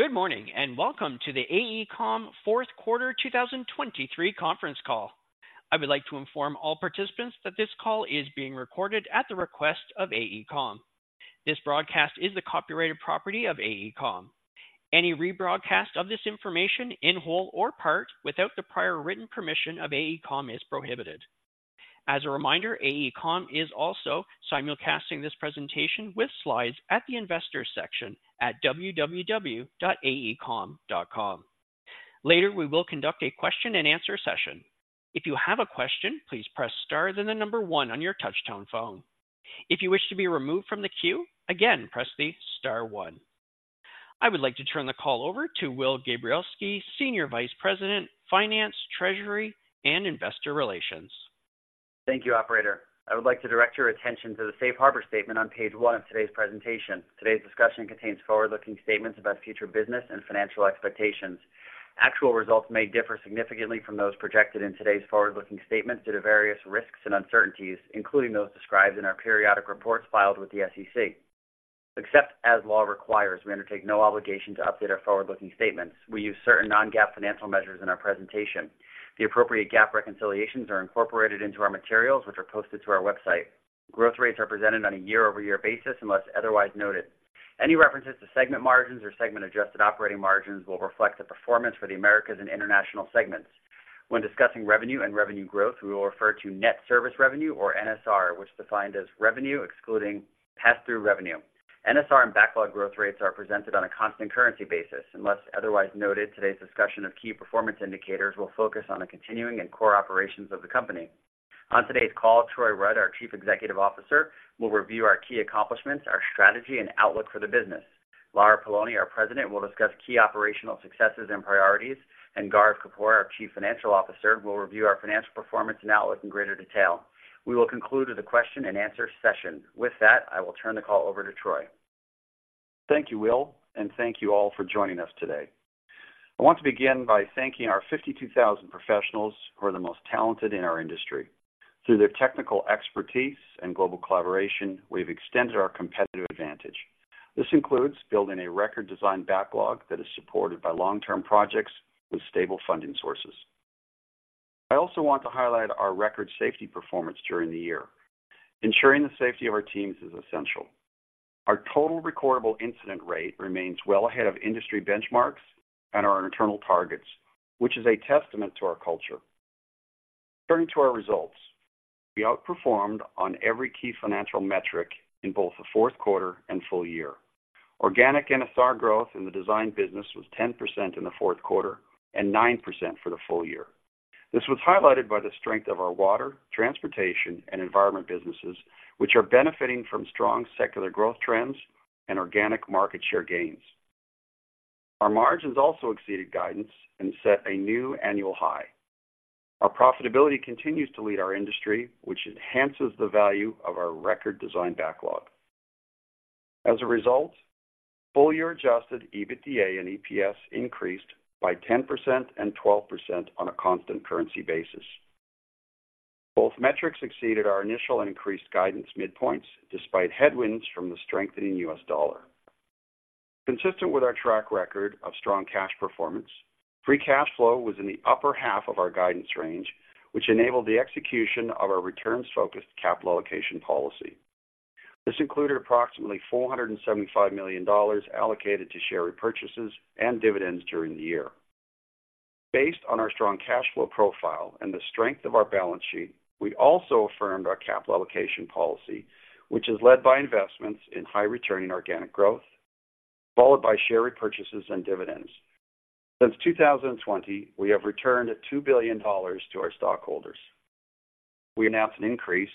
Good morning, and welcome to the AECOM Fourth Quarter 2023 Conference Call. I would like to inform all participants that this call is being recorded at the request of AECOM. This broadcast is the copyrighted property of AECOM. Any rebroadcast of this information in whole or part, without the prior written permission of AECOM, is prohibited. As a reminder, AECOM is also simulcasting this presentation with slides at the Investors section at www.aecom.com. Later, we will conduct a question-and-answer session. If you have a question, please press star, then the number one on your touchtone phone. If you wish to be removed from the queue, again, press the star one. I would like to turn the call over to Will Gabrielski, Senior Vice President, Finance, Treasury, and Investor Relations. Thank you, operator. I would like to direct your attention to the Safe Harbor statement on page 1 of today's presentation. Today's discussion contains forward-looking statements about future business and financial expectations. Actual results may differ significantly from those projected in today's forward-looking statements due to various risks and uncertainties, including those described in our periodic reports filed with the SEC. Except as law requires, we undertake no obligation to update our forward-looking statements. We use certain non-GAAP financial measures in our presentation. The appropriate GAAP reconciliations are incorporated into our materials, which are posted to our website. Growth rates are presented on a year-over-year basis, unless otherwise noted. Any references to segment margins or segment-adjusted operating margins will reflect the performance for the Americas and International segments. When discussing revenue and revenue growth, we will refer to net service revenue, or NSR, which is defined as revenue excluding pass-through revenue. NSR and backlog growth rates are presented on a constant currency basis. Unless otherwise noted, today's discussion of key performance indicators will focus on the continuing and core operations of the company. On today's call, Troy Rudd, our Chief Executive Officer, will review our key accomplishments, our strategy, and outlook for the business. Lara Poloni, our President, will discuss key operational successes and priorities, and Gaurav Kapoor, our Chief Financial Officer, will review our financial performance and outlook in greater detail. We will conclude with a question-and-answer session. With that, I will turn the call over to Troy. Thank you, Will, and thank you all for joining us today. I want to begin by thanking our 52,000 professionals who are the most talented in our industry. Through their technical expertise and global collaboration, we've extended our competitive advantage. This includes building a record design backlog that is supported by long-term projects with stable funding sources. I also want to highlight our record safety performance during the year. Ensuring the safety of our teams is essential. Our total recordable incident rate remains well ahead of industry benchmarks and our internal targets, which is a testament to our culture. Turning to our results, we outperformed on every key financial metric in both the fourth quarter and full year. Organic NSR growth in the design business was 10% in the fourth quarter and 9% for the full year. This was highlighted by the strength of our water, transportation, and environment businesses, which are benefiting from strong secular growth trends and organic market share gains. Our margins also exceeded guidance and set a new annual high. Our profitability continues to lead our industry, which enhances the value of our record design backlog. As a result, full-year adjusted EBITDA and EPS increased by 10% and 12% on a constant currency basis. Both metrics exceeded our initial and increased guidance midpoints, despite headwinds from the strengthening U.S. dollar. Consistent with our track record of strong cash performance, free cash flow was in the upper half of our guidance range, which enabled the execution of our returns-focused capital allocation policy. This included approximately $475 million allocated to share repurchases and dividends during the year. Based on our strong cash flow profile and the strength of our balance sheet, we also affirmed our capital allocation policy, which is led by investments in high-returning organic growth, followed by share repurchases and dividends. Since 2020, we have returned $2 billion to our stockholders. We announced an increase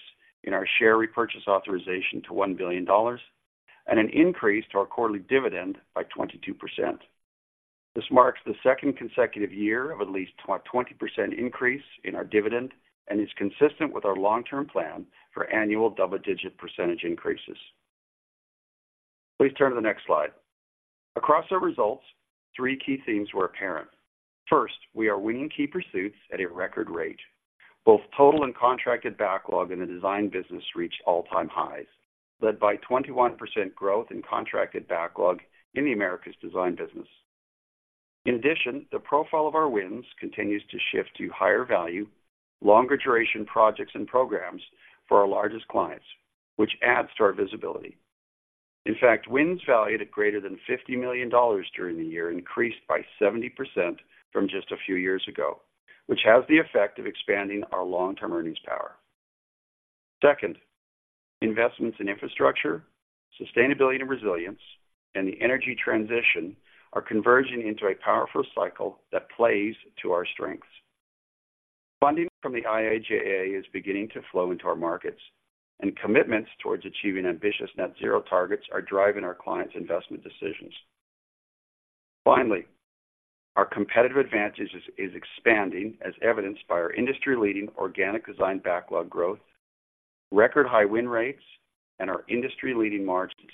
in our share repurchase authorization to $1 billion and an increase to our quarterly dividend by 22%. This marks the second consecutive year of at least 20% increase in our dividend and is consistent with our long-term plan for annual double-digit percentage increases. Please turn to the next slide. Across our results, three key themes were apparent. First, we are winning key pursuits at a record rate. Both total and contracted backlog in the design business reached all-time highs, led by 21% growth in contracted backlog in the Americas design business. In addition, the profile of our wins continues to shift to higher value, longer-duration projects and programs for our largest clients, which adds to our visibility. In fact, wins valued at greater than $50 million during the year increased by 70% from just a few years ago, which has the effect of expanding our long-term earnings power. Second, investments in infrastructure, sustainability and resilience, and the energy transition are converging into a powerful cycle that plays to our strengths. Funding from the IIJA is beginning to flow into our markets, and commitments towards achieving ambitious net zero targets are driving our clients' investment decisions. Finally, our competitive advantage is expanding, as evidenced by our industry-leading organic design backlog growth, record high win rates, and our industry-leading margins.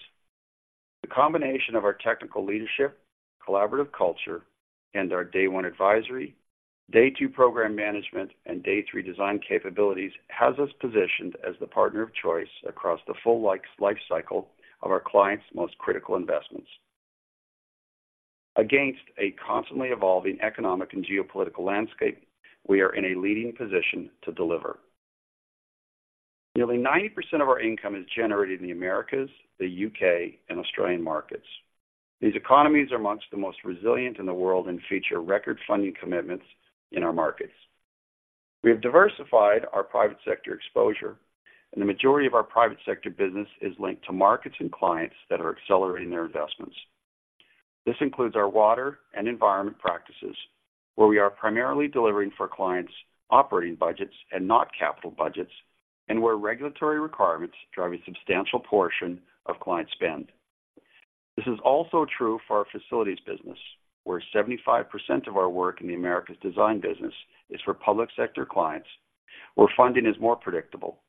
The combination of our technical leadership, collaborative culture, and our day one advisory, day two program management and day three design capabilities has us positioned as the partner of choice across the full lifecycle of our clients' most critical investments. Against a constantly evolving economic and geopolitical landscape, we are in a leading position to deliver. Nearly 90% of our income is generated in the Americas, the U.K., and Australian markets. These economies are among the most resilient in the world and feature record funding commitments in our markets. We have diversified our private sector exposure, and the majority of our private sector business is linked to markets and clients that are accelerating their investments. This includes our water and environment practices, where we are primarily delivering for clients' operating budgets and not capital budgets, and where regulatory requirements drive a substantial portion of client spend. This is also true for our facilities business, where 75% of our work in the Americas design business is for public sector clients, where funding is more predictable.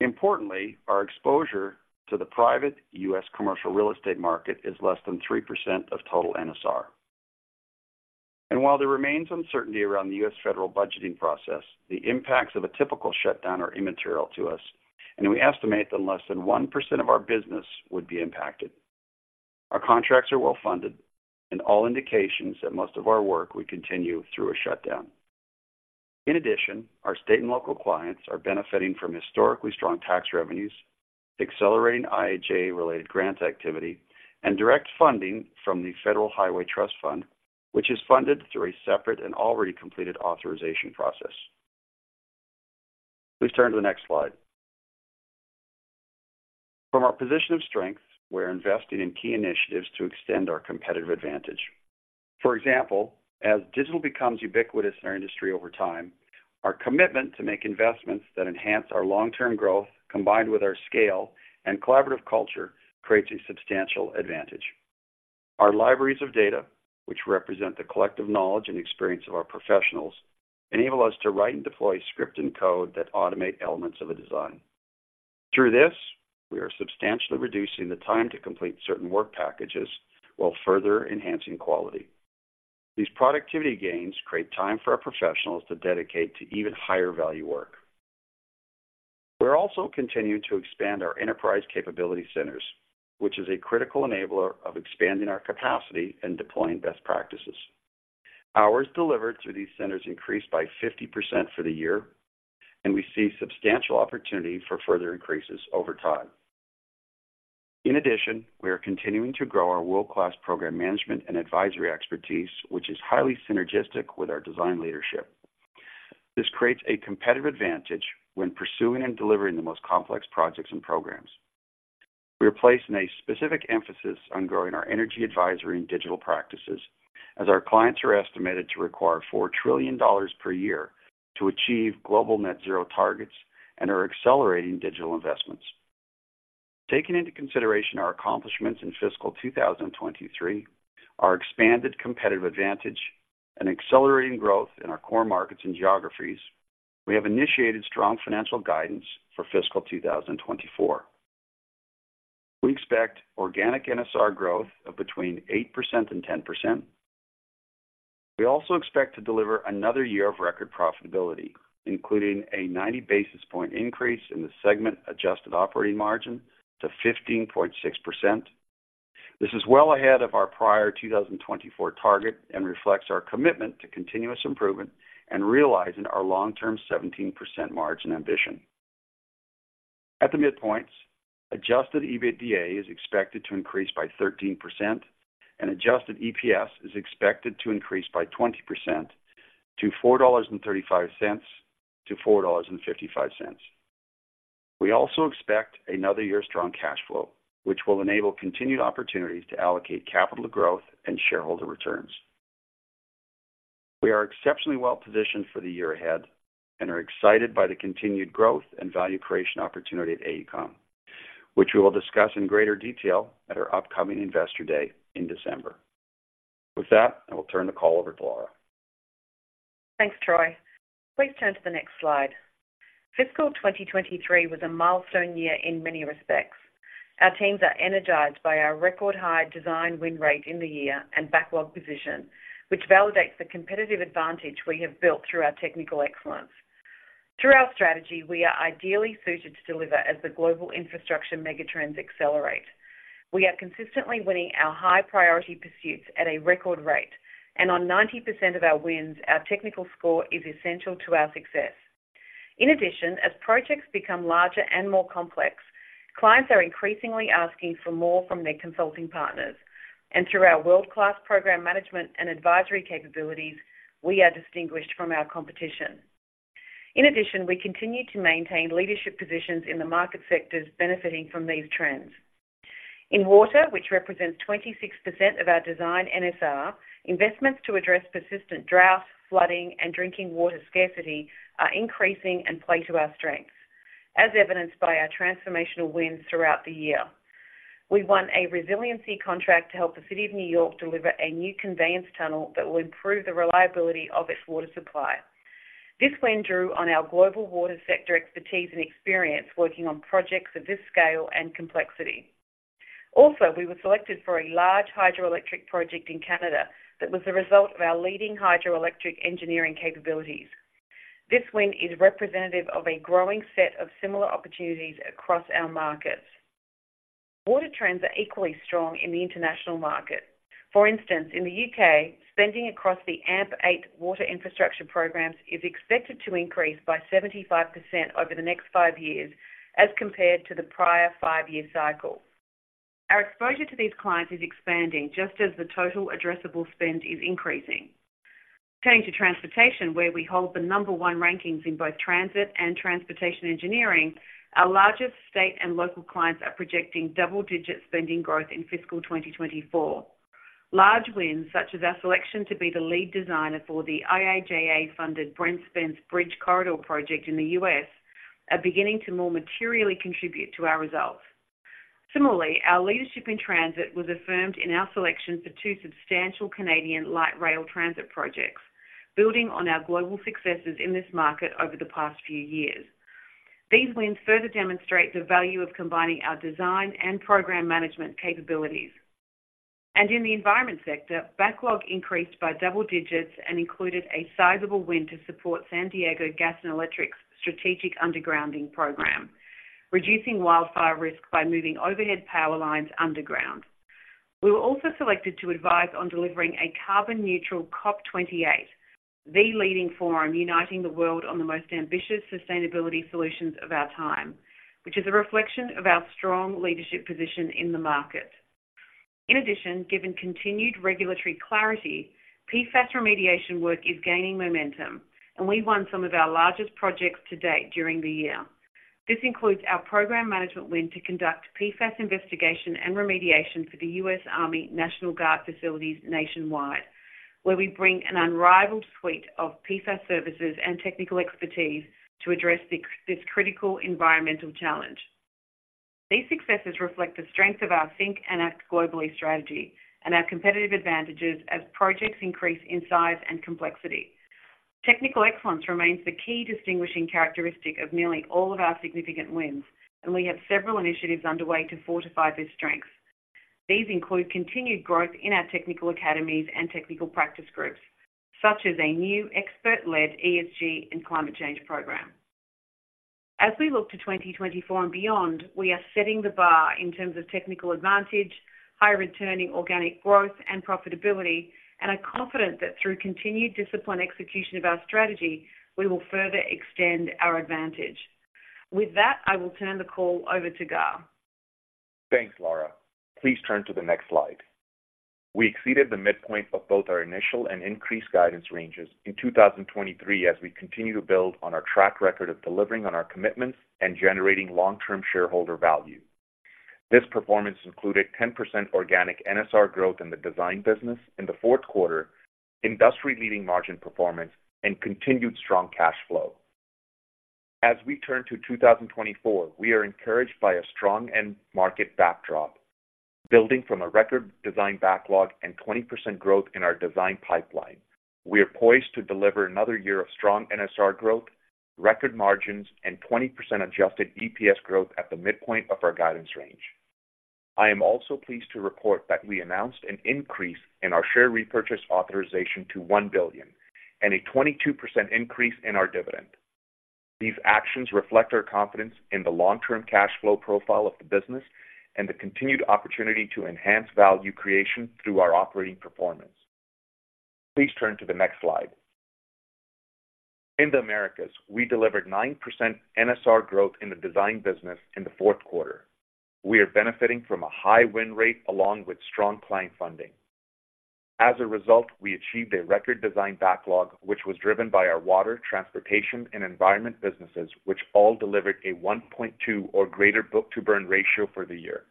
Importantly, our exposure to the private U.S. commercial real estate market is less than 3% of total NSR. While there remains uncertainty around the U.S. federal budgeting process, the impacts of a typical shutdown are immaterial to us, and we estimate that less than 1% of our business would be impacted. Our contracts are well-funded and all indications that most of our work will continue through a shutdown. In addition, our state and local clients are benefiting from historically strong tax revenues, accelerating IIJA-related grant activity, and direct funding from the Federal Highway Trust Fund, which is funded through a separate and already completed authorization process. Please turn to the next slide. From our position of strength, we're investing in key initiatives to extend our competitive advantage. For example, as digital becomes ubiquitous in our industry over time, our commitment to make investments that enhance our long-term growth, combined with our scale and collaborative culture, creates a substantial advantage. Our libraries of data, which represent the collective knowledge and experience of our professionals, enable us to write and deploy script and code that automate elements of a design. Through this, we are substantially reducing the time to complete certain work packages while further enhancing quality. These productivity gains create time for our professionals to dedicate to even higher value work. We're also continuing to expand our enterprise capability centers, which is a critical enabler of expanding our capacity and deploying best practices. Hours delivered through these centers increased by 50% for the year, and we see substantial opportunity for further increases over time. In addition, we are continuing to grow our world-class program management and advisory expertise, which is highly synergistic with our design leadership. This creates a competitive advantage when pursuing and delivering the most complex projects and programs. We are placing a specific emphasis on growing our energy advisory and digital practices, as our clients are estimated to require $4 trillion per year to achieve global net zero targets and are accelerating digital investments. Taking into consideration our accomplishments in fiscal 2023, our expanded competitive advantage, and accelerating growth in our core markets and geographies, we have initiated strong financial guidance for fiscal 2024. We expect organic NSR growth of between 8% and 10%. We also expect to deliver another year of record profitability, including a 90 basis point increase in the segment adjusted operating margin to 15.6%. This is well ahead of our prior 2024 target and reflects our commitment to continuous improvement and realizing our long-term 17% margin ambition. At the midpoints, adjusted EBITDA is expected to increase by 13%, and adjusted EPS is expected to increase by 20% to $4.35-$4.55. We also expect another year of strong cash flow, which will enable continued opportunities to allocate capital growth and shareholder returns. We are exceptionally well positioned for the year ahead and are excited by the continued growth and value creation opportunity at AECOM, which we will discuss in greater detail at our upcoming Investor Day in December. With that, I will turn the call over to Lara. Thanks, Troy. Please turn to the next slide. Fiscal 2023 was a milestone year in many respects. Our teams are energized by our record-high design win rate in the year and backlog position, which validates the competitive advantage we have built through our technical excellence. Through our strategy, we are ideally suited to deliver as the global infrastructure megatrends accelerate. We are consistently winning our high-priority pursuits at a record rate, and on 90% of our wins, our technical score is essential to our success. In addition, as projects become larger and more complex, clients are increasingly asking for more from their consulting partners, and through our world-class program management and advisory capabilities, we are distinguished from our competition. In addition, we continue to maintain leadership positions in the market sectors benefiting from these trends. In water, which represents 26% of our design NSR, investments to address persistent drought, flooding, and drinking water scarcity are increasing and play to our strengths, as evidenced by our transformational wins throughout the year. We won a resiliency contract to help the city of New York deliver a new conveyance tunnel that will improve the reliability of its water supply. This win drew on our global water sector expertise and experience working on projects of this scale and complexity. Also, we were selected for a large hydroelectric project in Canada that was the result of our leading hydroelectric engineering capabilities. This win is representative of a growing set of similar opportunities across our markets. Water trends are equally strong in the international market. For instance, in the U.K., spending across the AMP8 water infrastructure programs is expected to increase by 75% over the next five years as compared to the prior five-year cycle. Our exposure to these clients is expanding just as the total addressable spend is increasing. Turning to transportation, where we hold the number one rankings in both transit and transportation engineering, our largest state and local clients are projecting double-digit spending growth in fiscal 2024. Large wins, such as our selection to be the lead designer for the IIJA-funded Brent Spence Bridge Corridor Project in the U.S., are beginning to more materially contribute to our results. Similarly, our leadership in transit was affirmed in our selection for two substantial Canadian light rail transit projects, building on our global successes in this market over the past few years. These wins further demonstrate the value of combining our design and program management capabilities. In the environment sector, backlog increased by double digits and included a sizable win to support San Diego Gas & Electric's strategic undergrounding program, reducing wildfire risk by moving overhead power lines underground. We were also selected to advise on delivering a carbon-neutral COP28, the leading forum uniting the world on the most ambitious sustainability solutions of our time, which is a reflection of our strong leadership position in the market. In addition, given continued regulatory clarity, PFAS remediation work is gaining momentum, and we won some of our largest projects to date during the year. This includes our program management win to conduct PFAS investigation and remediation for the US Army National Guard facilities nationwide, where we bring an unrivaled suite of PFAS services and technical expertise to address this critical environmental challenge. These successes reflect the strength of our think and act globally strategy and our competitive advantages as projects increase in size and complexity. Technical excellence remains the key distinguishing characteristic of nearly all of our significant wins, and we have several initiatives underway to fortify this strength. These include continued growth in our technical academies and technical practice groups, such as a new expert-led ESG and climate change program. As we look to 2024 and beyond, we are setting the bar in terms of technical advantage, high returning organic growth, and profitability, and are confident that through continued disciplined execution of our strategy, we will further extend our advantage. With that, I will turn the call over to Gaurav. Thanks, Lara. Please turn to the next slide. We exceeded the midpoint of both our initial and increased guidance ranges in 2023 as we continue to build on our track record of delivering on our commitments and generating long-term shareholder value. This performance included 10% organic NSR growth in the design business in the fourth quarter, industry-leading margin performance, and continued strong cash flow. As we turn to 2024, we are encouraged by a strong end market backdrop. Building from a record design backlog and 20% growth in our design pipeline, we are poised to deliver another year of strong NSR growth, record margins, and 20% adjusted EPS growth at the midpoint of our guidance range. I am also pleased to report that we announced an increase in our share repurchase authorization to $1 billion and a 22% increase in our dividend. These actions reflect our confidence in the long-term cash flow profile of the business and the continued opportunity to enhance value creation through our operating performance. Please turn to the next slide. In the Americas, we delivered 9% NSR growth in the design business in the fourth quarter. We are benefiting from a high win rate along with strong client funding. As a result, we achieved a record design backlog, which was driven by our water, transportation, and environment businesses, which all delivered a 1.2x or greater book-to-burn ratio for the year.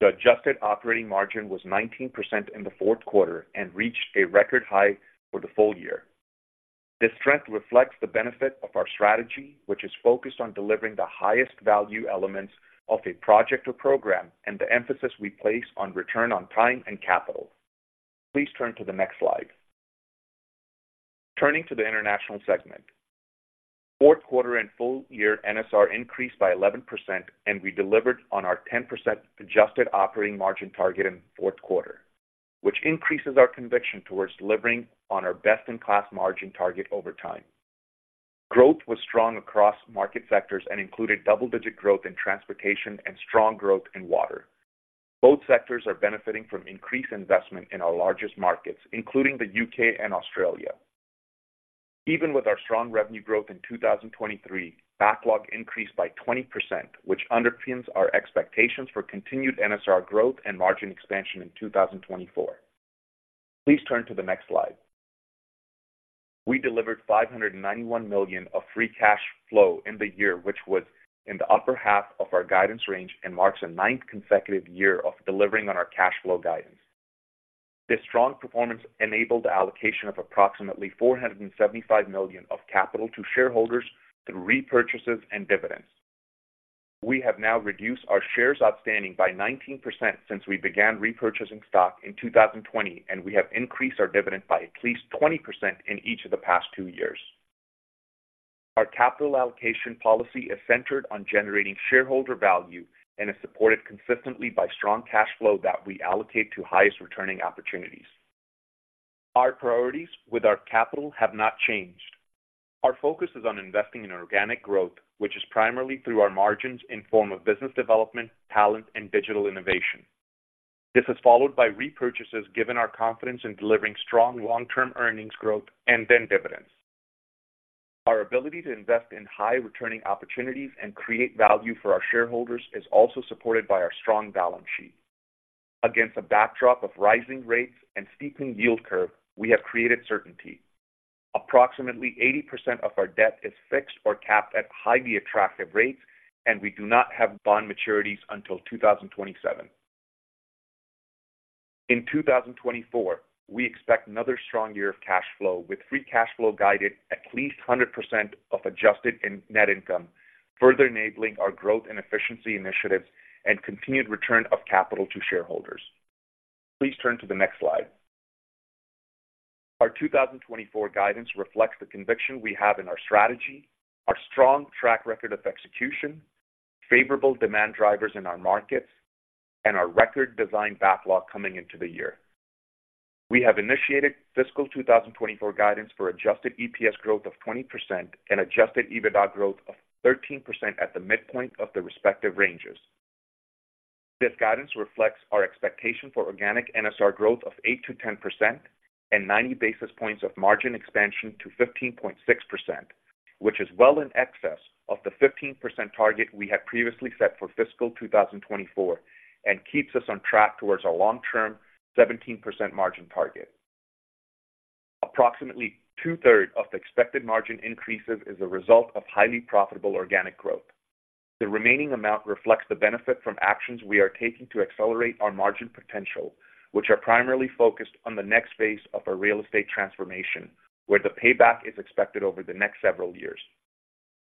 The adjusted operating margin was 19% in the fourth quarter and reached a record high for the full year. This strength reflects the benefit of our strategy, which is focused on delivering the highest value elements of a project or program, and the emphasis we place on return on time and capital. Please turn to the next slide. Turning to the international segment. Fourth quarter and full year NSR increased by 11%, and we delivered on our 10% adjusted operating margin target in the fourth quarter, which increases our conviction towards delivering on our best-in-class margin target over time. Growth was strong across market sectors and included double-digit growth in transportation and strong growth in water. Both sectors are benefiting from increased investment in our largest markets, including the U.K. and Australia. Even with our strong revenue growth in 2023, backlog increased by 20%, which underpins our expectations for continued NSR growth and margin expansion in 2024. Please turn to the next slide. We delivered $591 million of free cash flow in the year, which was in the upper half of our guidance range and marks a ninth consecutive year of delivering on our cash flow guidance. This strong performance enabled the allocation of approximately $475 million of capital to shareholders through repurchases and dividends. We have now reduced our shares outstanding by 19% since we began repurchasing stock in 2020, and we have increased our dividend by at least 20% in each of the past two years. Our capital allocation policy is centered on generating shareholder value and is supported consistently by strong cash flow that we allocate to highest returning opportunities. Our priorities with our capital have not changed. Our focus is on investing in organic growth, which is primarily through our margins in form of business development, talent, and digital innovation. This is followed by repurchases, given our confidence in delivering strong long-term earnings growth and then dividends. Our ability to invest in high-returning opportunities and accretive value for our shareholders is also supported by our strong balance sheet. Against a backdrop of rising rates and steepening yield curve, we have created certainty. Approximately 80% of our debt is fixed or capped at highly attractive rates, and we do not have bond maturities until 2027. In 2024, we expect another strong year of cash flow, with free cash flow guided at least 100% of adjusted in net income, further enabling our growth and efficiency initiatives and continued return of capital to shareholders. Please turn to the next slide. Our 2024 guidance reflects the conviction we have in our strategy, our strong track record of execution, favorable demand drivers in our markets, and our record design backlog coming into the year. We have initiated fiscal 2024 guidance for adjusted EPS growth of 20% and adjusted EBITDA growth of 13% at the midpoint of the respective ranges. This guidance reflects our expectation for organic NSR growth of 8%-10% and 90 basis points of margin expansion to 15.6%, which is well in excess of the 15% target we had previously set for fiscal 2024, and keeps us on track towards our long-term 17% margin target. Approximately 2/3 of the expected margin increases is a result of highly profitable organic growth. The remaining amount reflects the benefit from actions we are taking to accelerate our margin potential, which are primarily focused on the next phase of our real estate transformation, where the payback is expected over the next several years.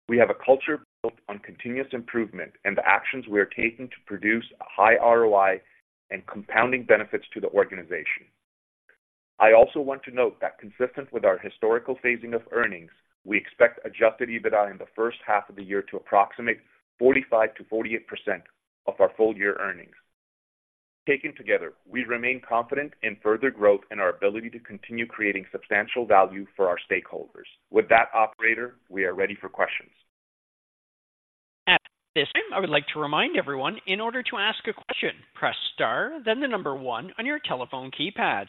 We have a culture built on continuous improvement and the actions we are taking to produce a high ROI and compounding benefits to the organization. I also want to note that consistent with our historical phasing of earnings, we expect adjusted EBITDA in the first half of the year to approximate 45%-48% of our full year earnings. Taken together, we remain confident in further growth and our ability to continue creating substantial value for our stakeholders. With that, operator, we are ready for questions. At this time, I would like to remind everyone, in order to ask a question, press star, then the number one on your telephone keypad.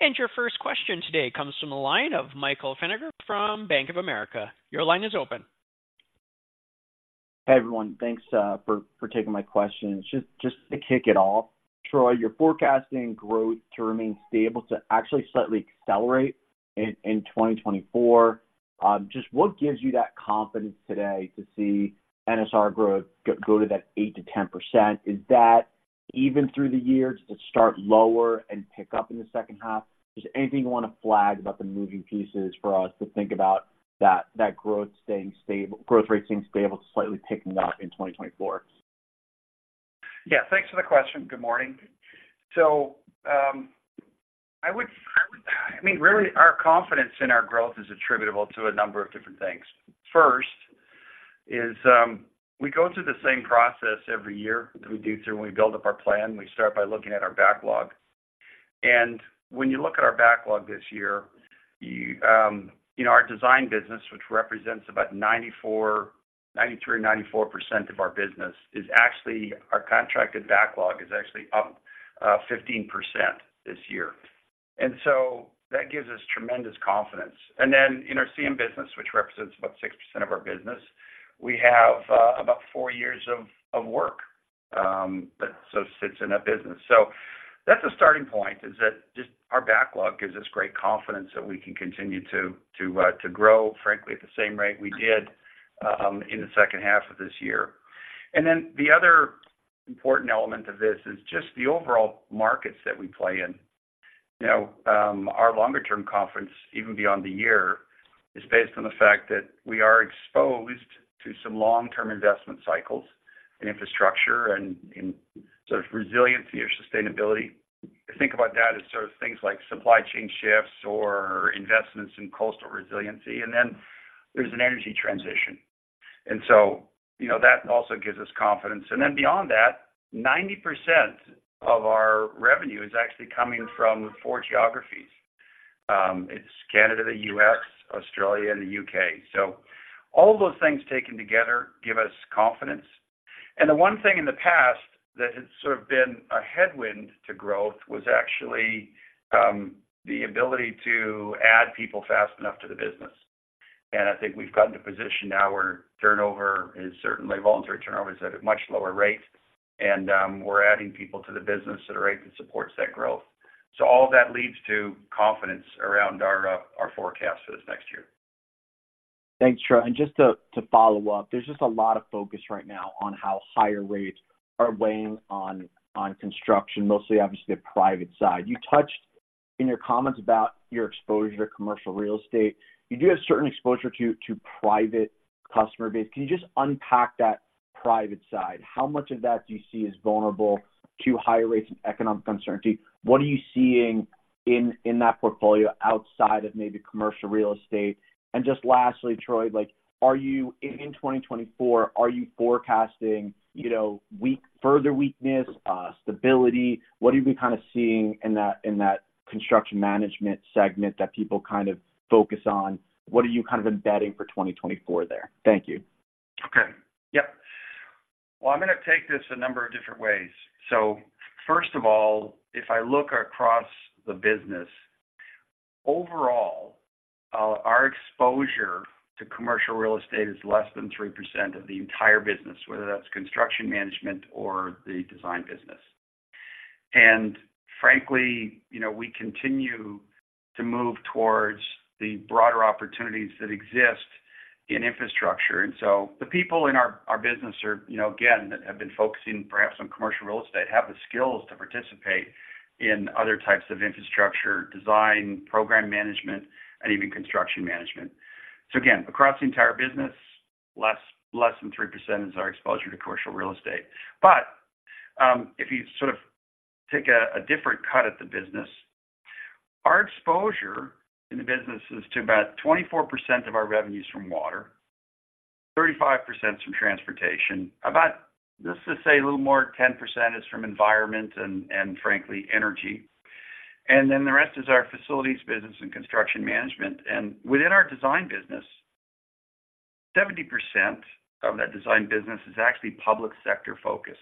And your first question today comes from the line of Michael Feniger from Bank of America. Your line is open. Hey, everyone. Thanks for taking my questions. Just to kick it off, Troy, you're forecasting growth to remain stable, to actually slightly accelerate in 2024. Just what gives you that confidence today to see NSR growth go to that 8%-10%? Is that even through the year, just to start lower and pick up in the second half? Just anything you want to flag about the moving pieces for us to think about that growth staying stable, growth rate staying stable to slightly picking up in 2024? Yeah, thanks for the question. Good morning. So, I would—I mean, really, our confidence in our growth is attributable to a number of different things. First is, we go through the same process every year that we do through when we build up our plan. We start by looking at our backlog. And when you look at our backlog this year, you, you know, our design business, which represents about 94%, 93%, or 94% of our business, is actually—our contracted backlog is actually up 15% this year. And so that gives us tremendous confidence. And then in our CM business, which represents about 6% of our business, we have about four years of work that so sits in that business. So that's a starting point, is that just our backlog gives us great confidence that we can continue to grow, frankly, at the same rate we did in the second half of this year. And then the other important element of this is just the overall markets that we play in. You know, our longer-term confidence, even beyond the year, is based on the fact that we are exposed to some long-term investment cycles in infrastructure and in sort of resiliency or sustainability. Think about that as sort of things like supply chain shifts or investments in coastal resiliency, and then there's an energy transition. And so, you know, that also gives us confidence. And then beyond that, 90% of our revenue is actually coming from four geographies. It's Canada, the U.S., Australia, and the U.K. All those things taken together give us confidence. The one thing in the past that has sort of been a headwind to growth was actually the ability to add people fast enough to the business. I think we've got in a position now where voluntary turnover is at a much lower rate, and we're adding people to the business at a rate that supports that growth. All of that leads to confidence around our forecast for this next year. Thanks, Troy. And just to follow up, there's just a lot of focus right now on how higher rates are weighing on construction, mostly obviously the private side. You touched in your comments about your exposure to commercial real estate. You do have certain exposure to private customer base. Can you just unpack that private side? How much of that do you see as vulnerable to higher rates of economic uncertainty? What are you seeing in that portfolio outside of maybe commercial real estate? And just lastly, Troy, like, are you in 2024, are you forecasting, you know, weak further weakness, stability? What have you been kind of seeing in that construction management segment that people kind of focus on? What are you kind of embedding for 2024 there? Thank you. Okay. Yep. Well, I'm gonna take this a number of different ways. So first of all, if I look across the business, overall, our exposure to commercial real estate is less than 3% of the entire business, whether that's construction management or the design business. And frankly, you know, we continue to move towards the broader opportunities that exist in infrastructure. And so the people in our business are, you know, again, that have been focusing perhaps on commercial real estate, have the skills to participate in other types of infrastructure, design, program management, and even construction management. So again, across the entire business, less than 3% is our exposure to commercial real estate. But, if you sort of take a different cut at the business, our exposure in the business is to about 24% of our revenues from water, 35% from transportation, about, let's just say a little more 10% is from environment and frankly, energy. And then the rest is our facilities, business and construction management. And within our design business, 70% of that design business is actually public sector focused.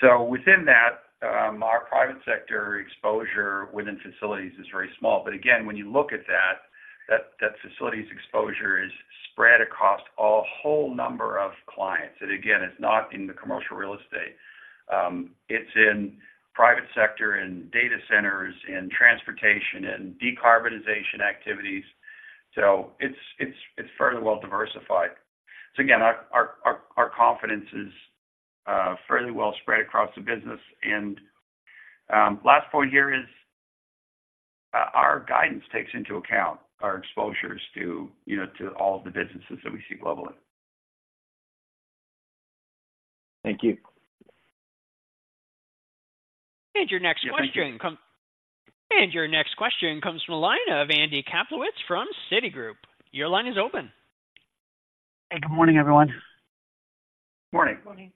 So within that, our private sector exposure within facilities is very small. But again, when you look at that facilities exposure is spread across a whole number of clients. And again, it's not in the commercial real estate, it's in private sector, in data centers, in transportation, and decarbonization activities. So it's fairly well diversified. So again, our confidence is fairly well spread across the business. And last point here is our guidance takes into account our exposures to, you know, to all the businesses that we see globally. Thank you. And your next question comes from the line of Andy Kaplowitz from Citigroup. Your line is open. Hey, good morning, everyone. Morning. Morning.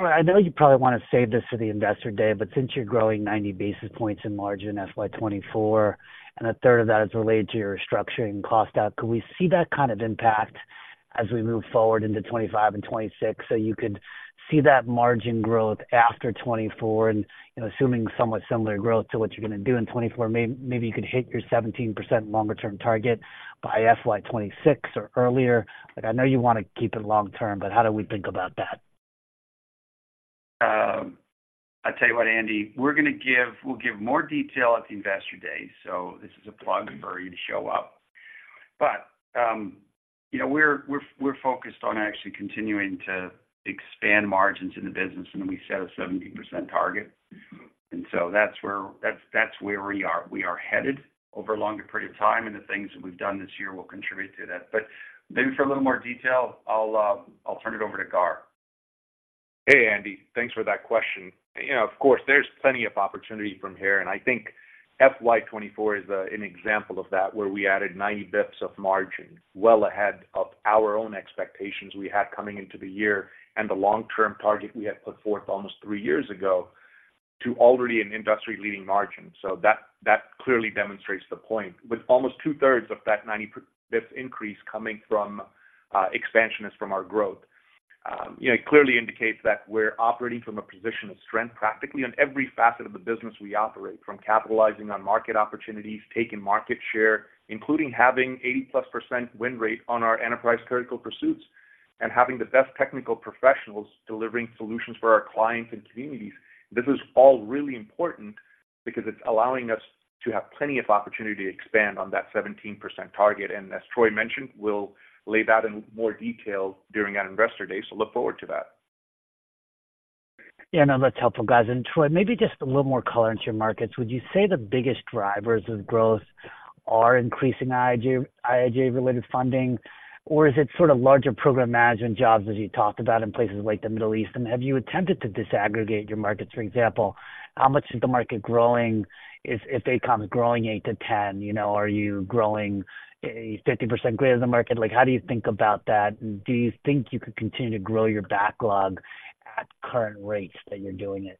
I know you probably want to save this for the Investor Day, but since you're growing 90 basis points in margin FY 2024, and 1/3 of that is related to your restructuring cost out, can we see that kind of impact as we move forward into 2025 and 2026? So you could see that margin growth after 2024 and, you know, assuming somewhat similar growth to what you're going to do in 2024, maybe you could hit your 17% longer term target by FY 2026 or earlier. Like, I know you want to keep it long term, but how do we think about that? I tell you what, Andy, we're gonna give- we'll give more detail at the Investor Day, so this is a plug for you to show up. But, you know, we're focused on actually continuing to expand margins in the business, and we set a 17% target. And so that's where we are. We are headed over a longer period of time, and the things that we've done this year will contribute to that. But maybe for a little more detail, I'll turn it over to Gar. Hey, Andy, thanks for that question. You know, of course, there's plenty of opportunity from here, and I think FY 2024 is an example of that, where we added 90 basis points of margin, well ahead of our own expectations we had coming into the year and the long-term target we had put forth almost three years ago to already an industry-leading margin. So that clearly demonstrates the point. With almost 2/3 of that 90 basis points increase coming from expansion from our growth. You know, it clearly indicates that we're operating from a position of strength practically on every facet of the business we operate, from capitalizing on market opportunities, taking market share, including having 80%+ win rate on our enterprise critical pursuits, and having the best technical professionals delivering solutions for our clients and communities. This is all really important because it's allowing us to have plenty of opportunity to expand on that 17% target. And as Troy mentioned, we'll lay that in more detail during that Investor Day, so look forward to that. Yeah, no, that's helpful, guys. And Troy, maybe just a little more color into your markets. Would you say the biggest drivers of growth are increasing IIJA, IIJA-related funding, or is it sort of larger program management jobs, as you talked about in places like the Middle East? And have you attempted to disaggregate your markets, for example, how much is the market growing if AECOM is growing 8%-10%? You know, are you growing 50% greater than the market? Like, how do you think about that? Do you think you could continue to grow your backlog at current rates that you're doing it?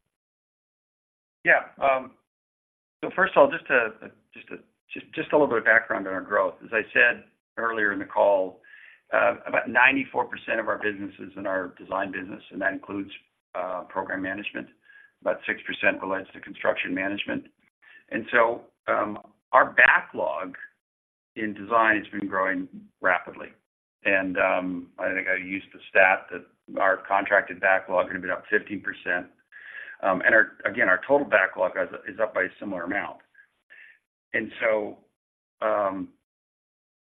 Yeah. So first of all, just a little bit of background on our growth. As I said earlier in the call, about 94% of our business is in our design business, and that includes program management. About 6% relates to construction management. And so, our backlog in design has been growing rapidly. And, I think I used the stat that our contracted backlog is gonna be up 15%. And our, again, our total backlog is up by a similar amount. And so,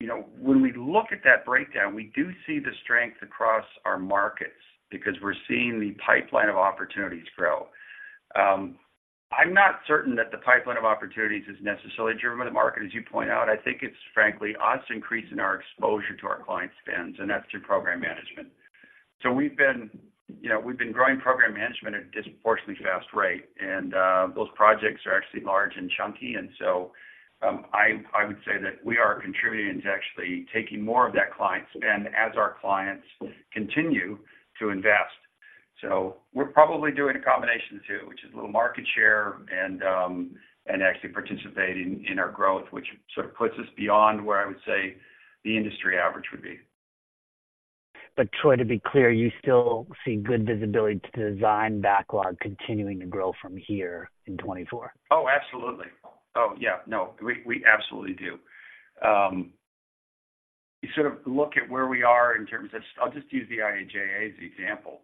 you know, when we look at that breakdown, we do see the strength across our markets because we're seeing the pipeline of opportunities grow. I'm not certain that the pipeline of opportunities is necessarily driven by the market, as you point out. I think it's frankly us increasing our exposure to our client spends, and that's through program management. So we've been, you know, we've been growing program management at a disproportionately fast rate, and those projects are actually large and chunky. And so, I would say that we are contributing to actually taking more of that client spend as our clients continue to invest. So we're probably doing a combination of the two, which is a little market share and, and actually participating in our growth, which sort of puts us beyond where I would say the industry average would be. But Troy, to be clear, you still see good visibility to design backlog continuing to grow from here in 2024? Oh, absolutely. Oh, yeah, no, we, we absolutely do. You sort of look at where we are in terms of... I'll just use the IIJA as an example.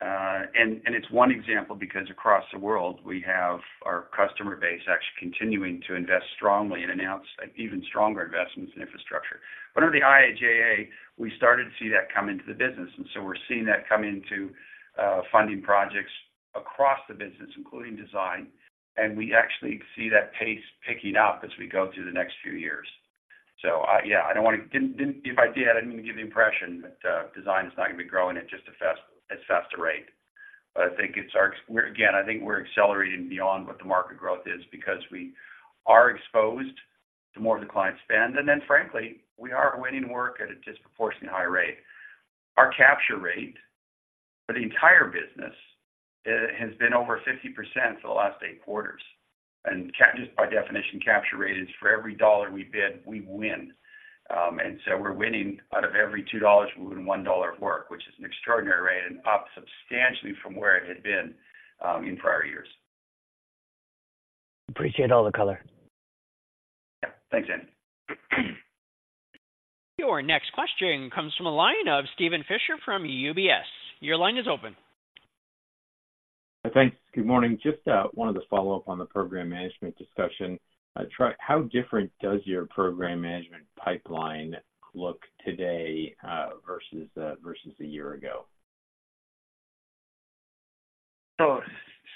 And it's one example because across the world, we have our customer base actually continuing to invest strongly and announce even stronger investments in infrastructure. But under the IIJA, we started to see that come into the business, and so we're seeing that come into funding projects across the business, including design, and we actually see that pace picking up as we go through the next few years. So I, yeah, I don't want to-- if I did, I didn't mean to give the impression that design is not going to be growing at just a fast, as fast a rate. But I think it's our, again, I think we're accelerating beyond what the market growth is because we are exposed to more of the client spend, and then frankly, we are winning work at a disproportionately high rate. Our capture rate for the entire business has been over 50% for the last eight quarters. Just by definition, capture rate is for every $1 we bid, we win. And so we're winning out of every $2, we're winning $1 of work, which is an extraordinary rate and up substantially from where it had been in prior years. Appreciate all the color. Yeah. Thanks, Dan. Your next question comes from a line of Steven Fisher from UBS. Your line is open. Thanks. Good morning. Just wanted to follow up on the program management discussion. Troy, how different does your program management pipeline look today, versus a year ago? So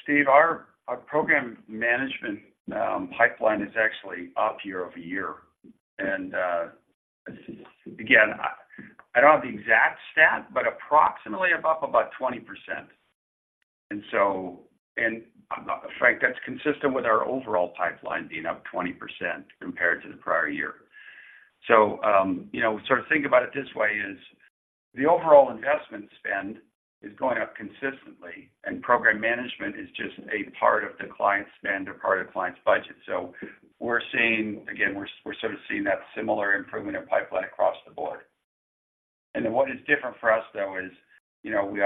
Steve, our program management pipeline is actually up year-over-year. Again, I don't have the exact stat, but approximately up about 20%. And, in fact, that's consistent with our overall pipeline being up 20% compared to the prior year. So, you know, sort of think about it this way, is the overall investment spend is going up consistently, and program management is just a part of the client spend or part of the client's budget. So we're seeing, again, we're sort of seeing that similar improvement in pipeline across the board. And then what is different for us though is, you know, we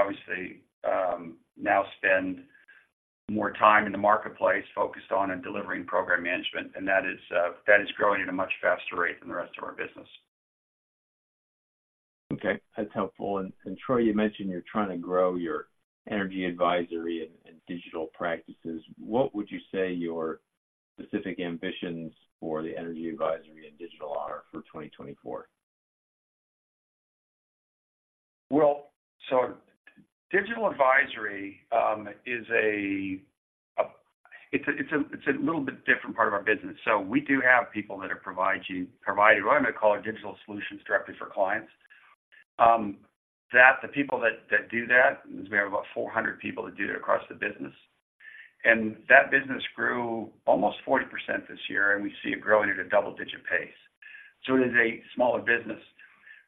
obviously now spend more time in the marketplace focused on and delivering program management, and that is growing at a much faster rate than the rest of our business. Okay, that's helpful. And Troy, you mentioned you're trying to grow your energy advisory and digital practices. What would you say your specific ambitions for the energy advisory and digital are for 2024? Well, so digital advisory is a little bit different part of our business. So we do have people that are providing what I'm gonna call our digital solutions directly for clients. The people that do that, we have about 400 people that do that across the business, and that business grew almost 40% this year, and we see it growing at a double-digit pace. So it is a smaller business,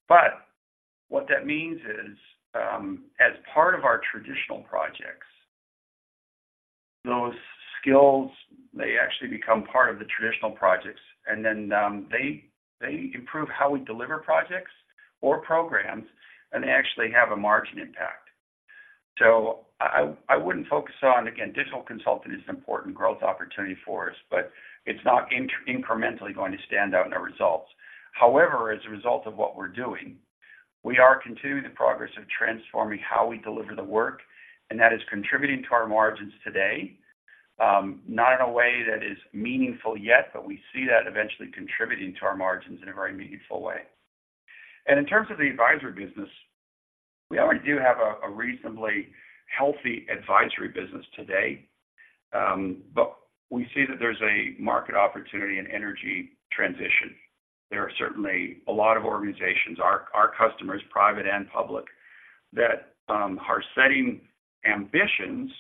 but what that means is, as part of our traditional projects, those skills, they actually become part of the traditional projects, and then they improve how we deliver projects or programs, and they actually have a margin impact. So I wouldn't focus on... Again, digital consulting is an important growth opportunity for us, but it's not incrementally going to stand out in our results. However, as a result of what we're doing, we are continuing the progress of transforming how we deliver the work, and that is contributing to our margins today, not in a way that is meaningful yet, but we see that eventually contributing to our margins in a very meaningful way. And in terms of the advisory business, we already do have a reasonably healthy advisory business today. But we see that there's a market opportunity in energy transition. There are certainly a lot of organizations, our customers, private and public, that are setting ambitions,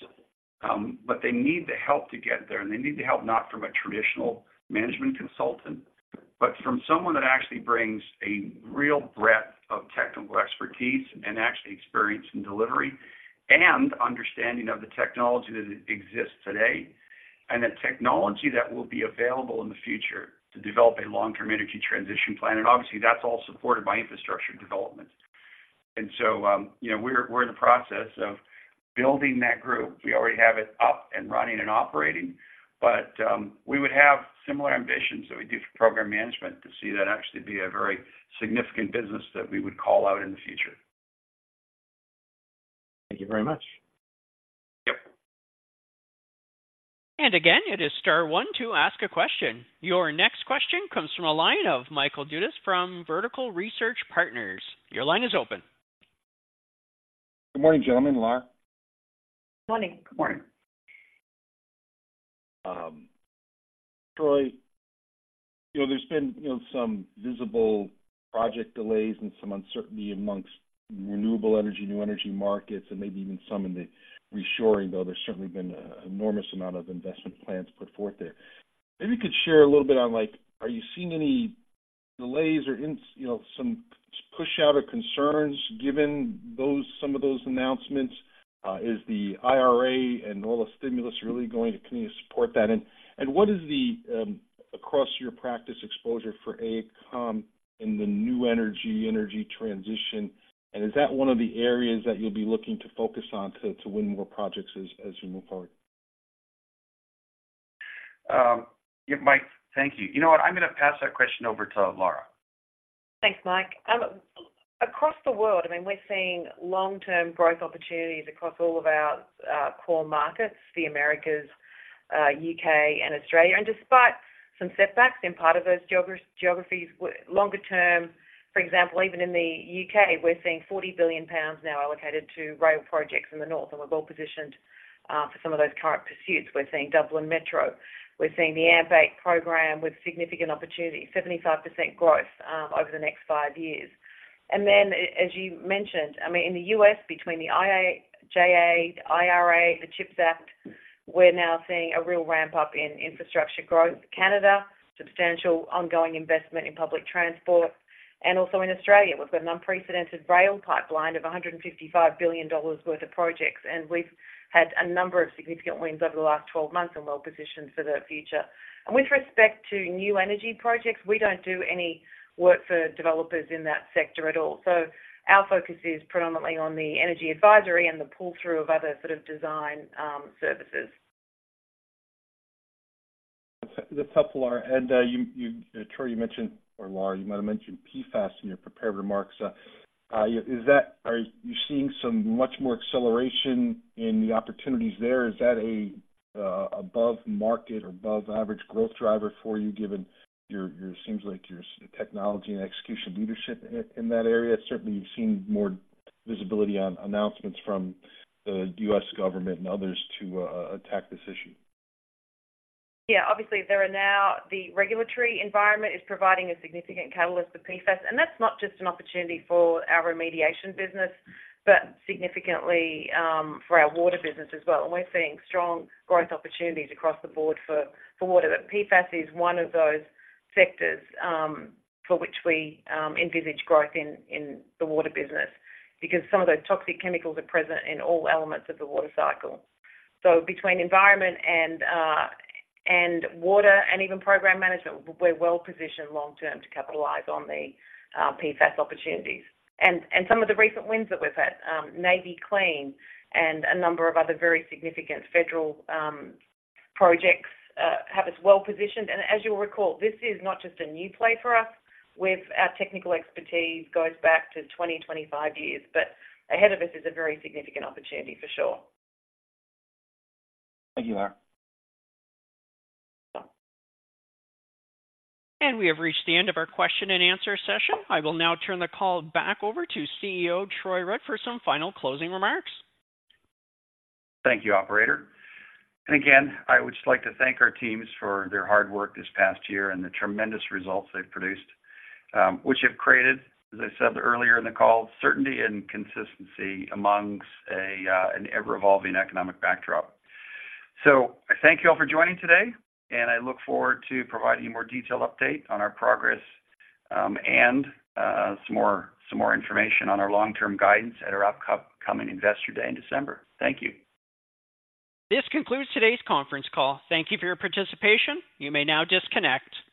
but they need the help to get there. They need the help not from a traditional management consultant, but from someone that actually brings a real breadth of technical expertise and actually experience in delivery, and understanding of the technology that exists today, and the technology that will be available in the future to develop a long-term energy transition plan. Obviously, that's all supported by infrastructure development. So, you know, we're in the process of building that group. We already have it up and running and operating, but we would have similar ambitions that we do for program management to see that actually be a very significant business that we would call out in the future. Thank you very much. Yep. And again, it is star one to ask a question. Your next question comes from a line of Michael Dudas from Vertical Research Partners. Your line is open. Good morning, gentlemen, Lara. Morning. Morning. Troy, you know, there's been, you know, some visible project delays and some uncertainty amongst renewable energy, new energy markets, and maybe even some in the reshoring, though there's certainly been an enormous amount of investment plans put forth there. Maybe you could share a little bit on, like, are you seeing any delays or you know, some push out of concerns given those, some of those announcements? Is the IRA and all the stimulus really going to continue to support that? And, and what is the across-year practice exposure for AECOM in the new energy, energy transition, and is that one of the areas that you'll be looking to focus on to, to win more projects as, as you move forward? Yeah, Mike, thank you. You know what? I'm gonna pass that question over to Lara. Thanks, Mike. Across the world, I mean, we're seeing long-term growth opportunities across all of our core markets, the Americas, U.K., and Australia. Despite some setbacks in part of those geographies, longer term, for example, even in the U.K., we're seeing 40 billion pounds now allocated to rail projects in the north, and we're well positioned for some of those current pursuits. We're seeing Dublin Metro. We're seeing the AMP8 program with significant opportunities, 75% growth over the next five years. Then as you mentioned, I mean, in the U.S., between the IIJA, IRA, the CHIPS Act, we're now seeing a real ramp-up in infrastructure growth. Canada, substantial ongoing investment in public transport, and also in Australia, we've got an unprecedented rail pipeline of $155 billion worth of projects, and we've had a number of significant wins over the last 12 months and well positioned for the future. And with respect to new energy projects, we don't do any work for developers in that sector at all. So our focus is predominantly on the energy advisory and the pull-through of other sort of design, services. That's helpful, Lara. You, Troy, you mentioned, or Lara, you might have mentioned PFAS in your prepared remarks. Is that... Are you seeing some much more acceleration in the opportunities there? Is that a above market or above average growth driver for you, given your seems like your technology and execution leadership in that area? Certainly, you've seen more visibility on announcements from the U.S. government and others to attack this issue. Yeah, obviously, there are now, the regulatory environment is providing a significant catalyst for PFAS, and that's not just an opportunity for our remediation business, but significantly, for our water business as well. And we're seeing strong growth opportunities across the board for water. But PFAS is one of those sectors, for which we envisage growth in the water business, because some of those toxic chemicals are present in all elements of the water cycle. So between environment and water and even program management, we're well positioned long term to capitalize on the PFAS opportunities. And some of the recent wins that we've had, Navy CLEAN and a number of other very significant federal projects, have us well positioned. And as you'll recall, this is not just a new play for us. Our technical expertise goes back to 20-25 years, but ahead of us is a very significant opportunity for sure. Thank you, Lara. We have reached the end of our question and answer session. I will now turn the call back over to CEO Troy Rudd for some final closing remarks. Thank you, Operator. And again, I would just like to thank our teams for their hard work this past year and the tremendous results they've produced, which have created, as I said earlier in the call, certainty and consistency among an ever-evolving economic backdrop. So I thank you all for joining today, and I look forward to providing a more detailed update on our progress, and some more, some more information on our long-term guidance at our upcoming Investor Day in December. Thank you. This concludes today's conference call. Thank you for your participation. You may now disconnect.